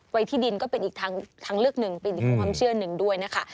ที่ดินก็เป็นอีกทางเลือกหนึ่งเป็นอีกความเชื่อหนึ่งด้วยนะคะ